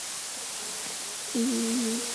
夜间减少蓝光照射与褪黑激素分泌增加有关。